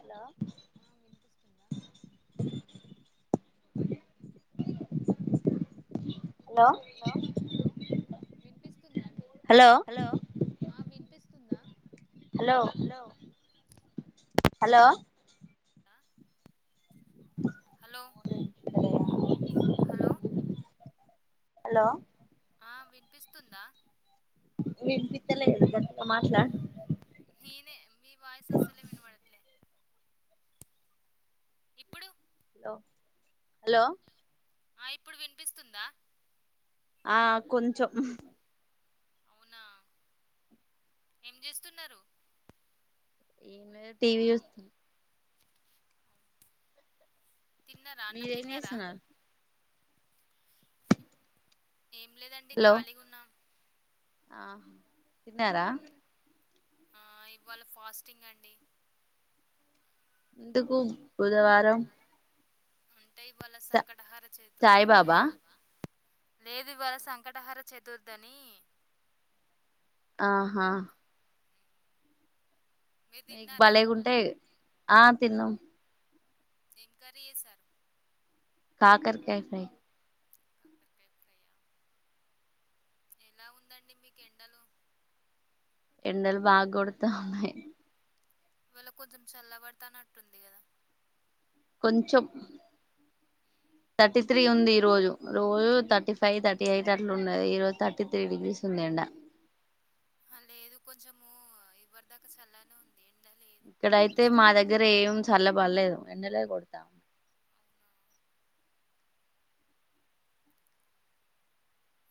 Hello hello hello hello hello hello ఆ hello hello hello hello ఆ వినిపిస్తుందా ఏం వినిపిస్తలే గట్ల మాట్లా మీనే మీ వాయిస్ అసలే వినపడల్లే ఇప్పుడు హలో ఆ ఇప్పుడు వినిపిస్తుందా ఆ కొంచం అవునా ఏం చేస్తున్నారు ఎం లేదు టీవీ చూస్తుంద తిన్నారా అన్నం మీరేం తిన్నారా చేస్తున్నారు ఏం లేదండి హలో ఖాళీగా ఉన్నా ఆ తిన్నారా ఆ ఇవాళ ఫాస్టింగ్ అండి ఎందుకు బుధవారం అంటే ఇవాళ స సంకటాహార చతుర్ది అని సాయిబాబా లేదు ఇవాళ సంకటాహార చతుర్థి అని ఆహా మీరు మీకు తిన్నారా భలేగుంటాయి ఆ తిన్నాం ఎం కర్రి చేశారు కాకరకాయ ఫ్రై కాకరకాయ్ ఫ్రై ఆ ఎలా ఉందండి మీకు ఎండలో ఎండలు బాగా కొడుతా ఉన్నాయి ఇవాళ కొంచెం చల్లబడతానట్టుంది కదా కొంచెం థర్టీ త్రీ ఉంది ఈ రోజు రోజు థర్టీ ఫైవ్ థర్టీ ఎయిట్ అ ట్లా ఉన్నయి ఈరోజు థర్టీ త్రీ డిగ్రీస్ ఉంది ఎండా హా లేదు కొంచము ఇవ్వరి దాకా చల్లనే ఉంది ఎండ లేదు ఇక్కడైతే మా అయితే దగ్గర ఏం చల్లబడలేదు ఎండాలే కొడాతా అవునా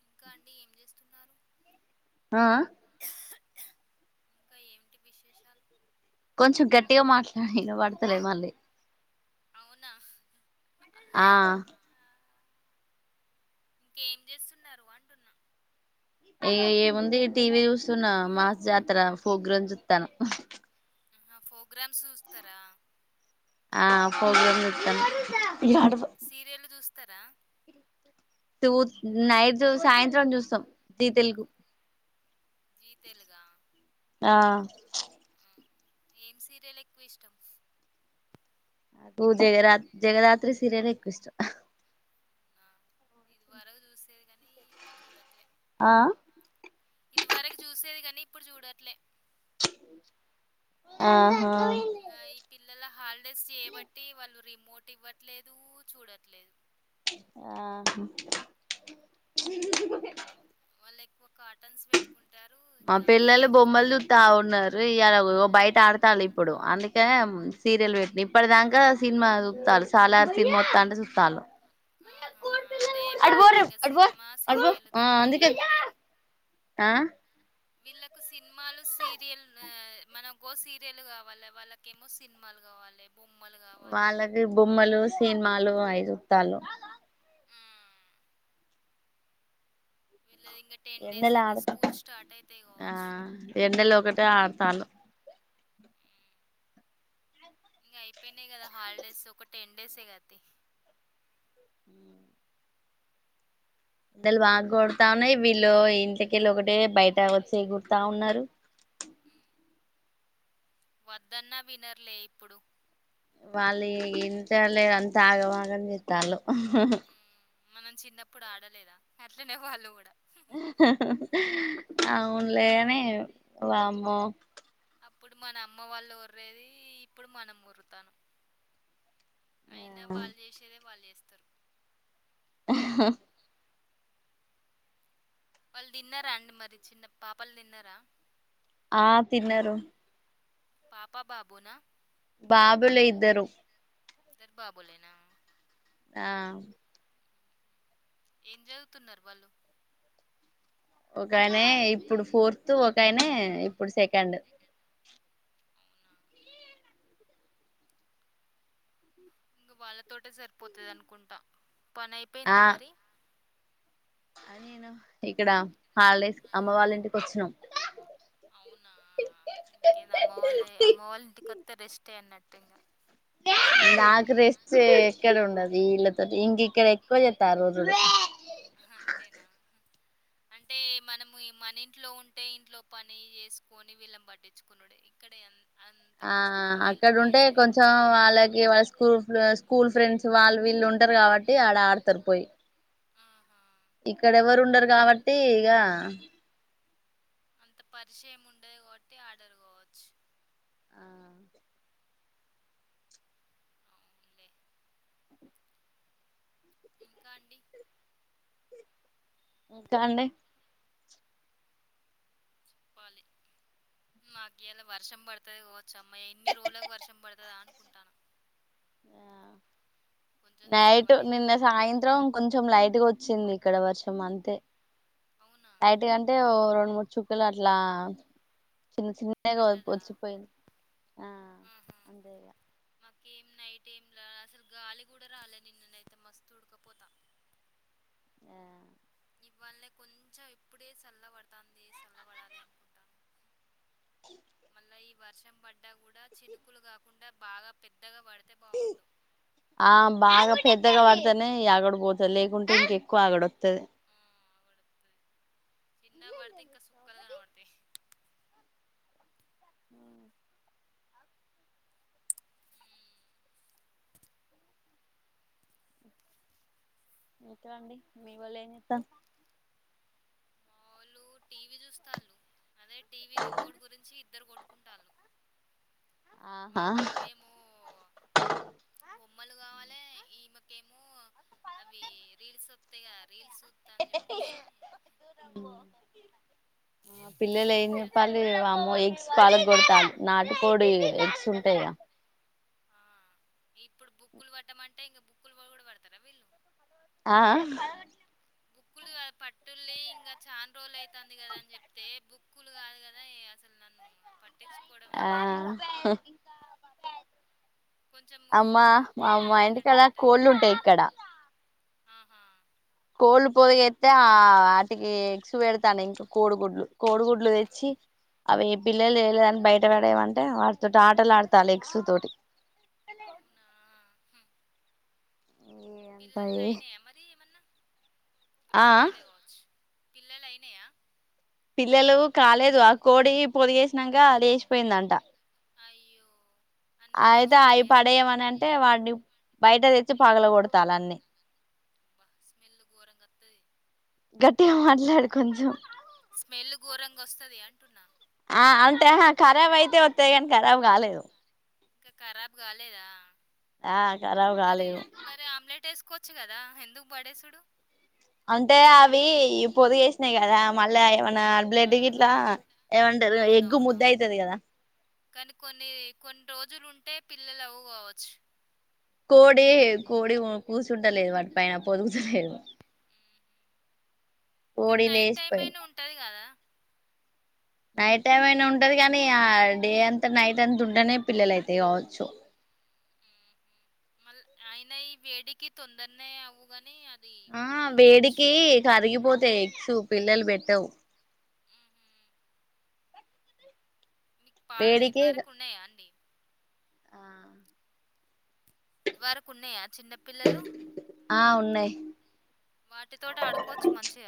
ఇంకా అండి ఏం చేస్తున్నారు ఆ ఇంకా ఏమిటి విశేషాలు కొంచెం గట్టిగా మాట్లాడిన వినపడతలే మళ్ళీ అవునా ఆ ఇంకేం చేస్తున్నారు అంటున్నా ఏ ఏముంది టీవీ యుస్తున్నా మాస్ జాతర పోగ్రాం జూత్తన్నాం ఆ ప్రోగ్రామ్స్ చూస్తారా ఆ ఫోగ్రామ్ జూత్తన్న ఇగ నడువు సీరియళ్ల్ జుస్తారా టూత్ నైటు సాయంత్రం చూస్తాం జి తెలుగు జీ తెలుగా ఆ ఆ ఏం సీరియల్ ఎక్కువ ఇష్టం ఊ జగరా జగదాత్రి సీరియాలే ఎక్కువ ఇష్టం ఆ ఇది వరకు చూసేది కానీ ఇప్పుడు చూడట్లే ఆ ఇది వరకు చూసేది కాని ఇప్పుడు చూడట్లే ఆహా ఇంగ ఈ పిల్లల హాలిడేస్ చేయబట్టి వాళ్ళు రిమోట్ ఇవ్వట్లేదు చూడట్లేదు ఆహా వాళ్ళ ఎక్కువ కాటన్స్ పెట్ ఉంటారు మా ఇంగా వే పిల్లలు బొమ్మలు జుస్తారు చూత్తా ఉన్నారు ఇయాల బయట ఆడతాళ్ళు ఇప్పుడు అందుకనే సీరియల్ పెట్టినా ఇప్పటి దాంక సినిమా సూత్తల్లు సలర్ సినిమా వత్తా అంటే సుత్తాళ్లు ఆహా అదే వీళ్ళకి ఇంగా అటు పో సినిమా అటు పో సీరియల్ ఆ తప్ప అందుకే ఏది లేదు ఆ వీళ్ళకు సినిమాలు సీరియల్ ఆ మన గో సీరియల్ గావాలి వాళ్ళక ఏమో సినిమాలు గావాలే బొమ్మలు గావాలే ఇది బొమ్మలు సినిమాలు ఐసూత్తాళ్ళు వ్మ్ విళ్ళది ఇంగా టెన్ డేస్ ఎండల అయితే ఆడతా స్కూల్ స్టార్ట్ అయితే ఆ కావచ్చు ఎండలు ఒకటే ఆడతాళ్లు ఇంగా అయిపోయినాయి కదా హాలిడేస్ ఒక టెన్ డేసే కతియ్ ఉ ఎండలు బాగ్ కొడతా ఉన్నాయి వీళ్ళు ఇంట్లకెళ్ళి ఒకటే బయట వచ్చే ఎగురతా ఉన్నారు. వ్మ్ వద్దన్నా వినర్లే ఇప్పుడు వాళ్ళు ఏ ఇంతలే అంతా ఆగం వాగం చెత్తాలు వ్మ్ మనం చిన్నప్పుడు ఆడలేదా అట్లనే వాళ్ళు కూడా అవునులేగాని వామ్మో అప్పుడు మన అమ్మ వాళ్ళు ఓర్రేది ఇప్పుడు మనం ఒరుతాన్నాం అయినా వాళ్ళు జేసేదే వాళ్ళు జేస్తారు హ్ హా వాళ్ళు తిన్నారా అండి మరి చిన్న పాపలు తిన్నారా ఆ తిన్నారు పాప బాబునా బాబులే ఇద్దరు ఇద్దర్ బాబోలేనా ఆ ఏం జదువుతున్నారు వళ్ళు ఒకాయనే ఇప్పుడు ఫోర్త్ ఒకాయనే ఇప్పుడు సెకండ్ అవునా ఇంగ వాళ్ళతోటే సరిపోతది అనుకుంటా పని అయిపోయిందా మరి అని నేను ఇక్కడ హాలిడేస్ అమ్మ వాళ్ళ ఇంటికి వచ్చినాం అవునా ఇంకేంది అమ్మ వాళ్ళే అమ్మ వాళ్ళ ఇంటికొత్తే రెస్టే అన్నట్టు ఇంగా నాకు రెస్ట్ ఎక్కడ ఉండదు వీళ్ళతోటి ఇంక ఇక్కడ ఎక్కువ చేత్తారు ఆరోజులు అంతేనా అంటే మనము మన ఇంట్లో ఉంటే ఇంట్లో పని చేసుకుని వీళ్ళని పట్టిచ్చుకొనుడు ఇక్కడే అం ఆ అక్కడ ఉంటే కదా కొంచెం వాళ్ళకి వాళ్ళ స్కూల్లో స్కూల్ ఫ్రెండ్స్ సో వాళ్ళు వీళ్ళు ఉంటారు కాబట్టి ఆడ ఆడుతరు పోయి ఆహా ఇక్కడ ఎవరు ఉండరు కాబట్టి ఇగా అంత పరిచయం ఉండదు కాబట్టి ఆడరు కావచ్చు ఆ అవున్లే ఇంకా అండి చెప్పాలి మాకి ఇయాల వర్షం పడుతుది కావచ్చు అమ్మయ ఎన్ని రోజులకు వర్షం పడుతదా అనుకుంటాన కొంచెం నైటు చల్లబడింది నిన్న కాబట్టి సాయంత్రం కొంచెం లైట్గా వచ్చింది ఇక్కడ వర్షం అంతే అవునా [unintelligible] అంటే ఓ రెండు మూడు చుక్కలు అట్లా చిన్న చిన్ నగా పడ్డదా వచ్చిపోయింది ఆ ఆహా అంతే మాకేం నైట్ ఏం లే అసలు గాలి కూడా రాలే నిన్ననయితే మస్తు ఉడకపోతా ఆ ఇవ్వాలే కొంచెం ఇప్పుడే చల్ల పడుతాంది చల్లబడాలి అనుకుంటా మళ్ళా ఈ వర్షం పడ్డా కూడా చినుకులు కాకుండా బాగా పెద్దగా పడితే బావుండు ఆ బాగా పెద్దగా పడతానే ఈ ఆగడు పోతది లేకుంటే ఇంకెక్కువ ఆగడు వత్తాది చిన్నగ పడితే ఇంక సుక్కలుగనవడుతయి ఇంకా అండి మీ వాళ్ళు ఏం జేత్తళ్లు మా వాళ్ళు టీవీ చూస్తళ్ళు అదే టీవీ రిమోట్ గురించి ఇద్దరు కొట్టుకుంటాళ్ళు మా ఆహా బాబేమో బొమ్మలు కావాలి ఈమెకేమో అవి రీల్స్ వత్తాయిగా రీల్ చూత్తా అని చెప్పేసి ఆ ఆ పిల్లల్ ఏం ఇంగ జేత్తాల్ల్ వామ్మో ఎగ్స్ పాలగకొడుతాళ్ళు నాటికోడి ఆ ఎగ్స్ ఉంటాయిగా ఆ ఇప్పుడు బుక్కులు పట్టమంటే ఇంకా బుక్కులు వోయి కూడా పడతారా వీళ్ళు ఆహా బుక్కులు ఇగా పట్టుల్లి ఇంగా చాన్ రోజుల్ అయితాంది కదా అని చెప్తే బుక్ క్కూల్ కాదు కదా అసలు నన్ను పట్టిచ్చుకోడమే లేదు హా కొంచెం అమ్మా మ మా ప్రిపేర్ అయినట్టు ఇంటికెల్ల ఉంటది కోళ్ళు కదా ఉంటాయి ఇక్కడ ఆహా కోళ్ళు పొదిగేత్తే ఆ వాటికి ఎగ్స్ పెడతాన్నయ్ ఇంకా కోడిగుడ్లు కోడిగుడ్లు ఆ, తెచ్చి అవి బిల్లలు చేయలేదని బయటపడేయమంటే వాటితోటి ఆటలు ఆడతాళ్ళు ఎగ్స్ తోటి అవునా హు అంత పిల్లలు ఏ అయినాయా మరి ఏమన్నా ఆ [unintelligible] కావచ్చు పిల్లలు అయినాయా పిల్లలు కాలేదు ఆ కోడి పొదిగేసినంక లేసిపోయిందంట అయ్యో అన్నీ అయితే వేస్ట్ అవి అయినాయా పడేయమని అంటే వాడిని బయట తెచ్చి పగల కొడతాల అన్నీ స్మెల్ ఘోరంగా ఒత్తది గట్టిగా మాట్లాడు కొంచం స్మెల్ ఘోరంగా వస్తది అంటున్నా ఆ అంటే ఖరాబ్ అయితే వస్తాయి కానీ ఖరాబు కాలేదు ఇంక ఖరాబ్ కాలేదా ఆ కరా మరి మరి ఆమ్లెట్ వేసుకోవచ్చు కదా ఎందుకు పడేసుడు అంటే అవి పొదిగేసినాయి కదా మళ్ళా ఏమన్నా బ్లడ్ గిట్ల ఆహా ఏమంటారు ఎగ్గు ముద్ద అవునవునవును అవుతుది కదా కానీ కొన్ని కొన్ని రోజులుంటే పిల్లలు అవ్వుకోవచ్చు కోడి కోడి కూర్చుంటలేదు వాటి పైన పొదుగుతలేదు మ్మ్. కానీ కోడి నైట్ టైమ్ అయినా లేసిపోయింది ఉంటది కదా నైట్ టైం అయినా ఉంటది కానీ ఆ డే అంతా నైట్ అంత ఉంటేనే పిల్లల అయితే కావచ్చు మళ్ళ ఆయిన ఈ వేడికి తొందరనే అవ్వు గాని అది ఆ ఉండలే కావచ్చు. వేడికి కరిగిపోతాయ్ ఎగ్స్ పిల్లలు పెట్టవు ఆహా మీకు పా ఇద్ వరకు ఉన్నాయా అండి ఆ ఇది వరకు ఉన్నాయా చిన్నపిల్లలు ఆ ఉన్నాయి వాటితోటి ఆడుకోచ్చు మంచిగ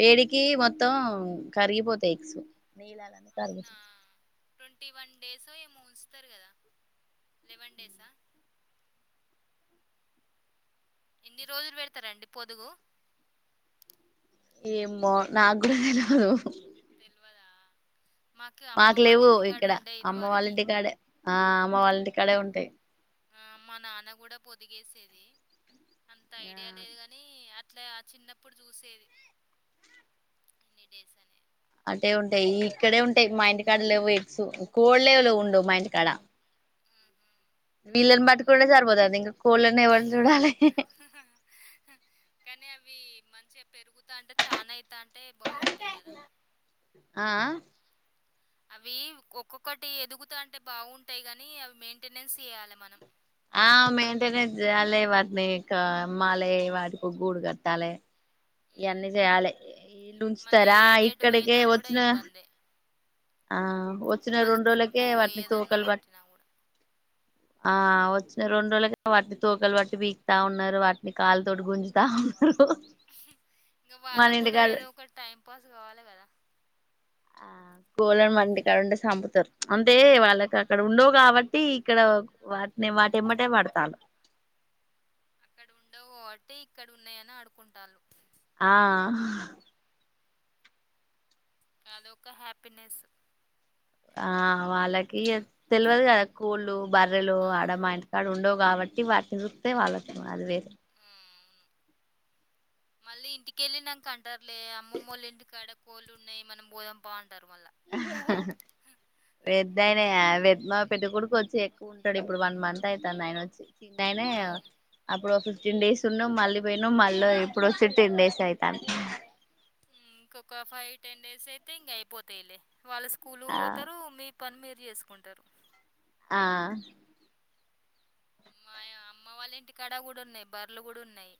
వేడికి మొత్తం కరిగిపోతాయ్ ఎగ్స్ [unintelligible] అవునా ట్వంటీ వన్ డేస్ ఏమో ఉంచుతారు కదా లెవెన్ డేసా ఎన్ని రోజులు పెడతారండి పొదుగు ఏమో నాకు కూడ తెలవదు తెల్వదా మాకు లేవు ఇక్కడ అమ్మ ఇదివరకి. వాళ్ళింటి కాడే ఆ అమ్మ వాళ్ళింటి కాడే మా ఉంటాయి ఆ మా నాన్న కూడ పొదిగేసేది అంత ఆ ఐడియా లేదు గాని అట్లా చిన్నప్పుడు చూసేది ఎన్ని డేస్ అనేది అట్టే ఉంటాయి ఇక్కడే ఉంటాయి మా ఇంటికాడ లేవు ఎక్స్ కోడ్ లేవులు ఉండవు మా ఇంటికాడ ఆహా వీళ్ళని పట్టుకుంటే సరిపోతుంది ఇంక కోళ్ళని ఎవరు చూడాలి ఆహా. కానీ అవి మంచిగా పెరుగుతా అంటే చాలా అవుతా అంటే బాగుంటాయి కదా ఆఆ అవి ఒక్కొక్కటి ఎదుగుతా అంటే బాగుంటాయి కాని అవి మెయింటెనెన్స్ చేయాలే మనం ఆ మెయింటెనెన్స్ చేయాలి వాటిని మళ్ళీ వాటికి ఒక గూడు కట్టాలి ఇవన్నీ చేయాలి వీళ్ళు మళ్ళీ ఉంచుతారా [unintelligible] ఇక్కడికే పోయినా కూడా వచ్చిన ఇబ్బందే ఆ వచ్చిన మళ్ళా రెండు కుక్కో రోజులకే వాటిని ఏదన్నా తోకలు పట్ పట్టినా కూడా ఆ వచ్చిన రెండు రోజులుగా వాటిని తోకలు బట్టి పీకుతా ఉన్నారు వాటిని కాళ్లు తోటి గుంజుతా ఉన్నరు ఇంగ వాళ్ళకు కూడా ఏదో ఒకట్ టైం పాస్ కావాలే కదా ఆ కోలన మంటికాడుంటే సంపుతరు అంటే వాళ్ళకి అక్కడ ఉండవు కాబట్టి ఇక్కడ వాటిని అదే అదేలే వాటేమ్మటే పడుతాల్లు అక్కడ ఉండవు కాబట్టి ఇక్కడ ఉన్నాయని అడుకుంటల్లు ఆ అదొక్క హ్యాపీనెస్ ఆ వాళ్ళకి ఇగ తెలియదు కదా కోళ్లు బర్రెలు ఆ ఆడమా ఇం కడుండవు కాబట్టి వాటిని చూస్తె వాళ్ళక్ అది వే ఆ అవును మళ్ళీ ఇంటికెళ్ళినాక అంటారులే అమ్మమ్మ వాళ్ ఇంటికాడ కోళ్ళు ఉన్నాయి మనం బోధంపా అంటారు మళ్ళా పెద్దయినా వ్ పెద్ద కోడుకు వచ్చి ఎక్కువ ఉంటాడు ఇప్పుడు వన్ మంత్ అయితాంది ఆయన వచ్చి చిన్నైనే అవును అప్పుడు ఒ ఫిఫ్టీన్ డేస్ ఉన్నం మళ్ళీ పోయినాం మళ్ళీ ఇప్పుడు వచ్చి టెన్ డేస్ అయితాంది ఇంకొక ఫైవ్ టెన్ డేస్ అయితే ఇంగ అయిపోతాయిలే వాళ్ళు స్కూల్ ఆ పోతారు మీర్ పని మీరు చేసుకుంటారు ఆ మా అమ్మ వాళ్ళ ఇంటి కడా కూడా ఉన్నాయి బర్లు కూడా ఉన్నాయి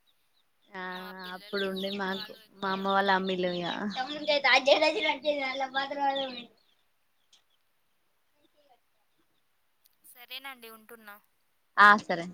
ఆ మా పిల్లలు పాలు ఎక్కువ తాగుతారు ల్ ఇగ సరేనండి ఉంటున్నా ఆ సరే